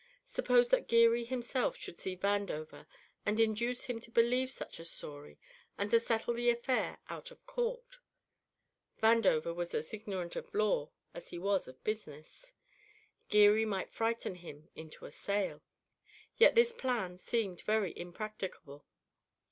Suppose that Geary himself should see Vandover and induce him to believe such a story, and to settle the affair out of court! Vandover was as ignorant of law as he was of business. Geary might frighten him into a sale. Yet this plan seemed very impracticable.